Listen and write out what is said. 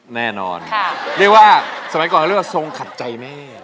แน่นอนเรียกว่าสมัยก่อนเรียกว่าทรงขัดใจแม่